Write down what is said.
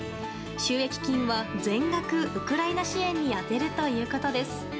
収益金は全額、ウクライナ支援に充てるということです。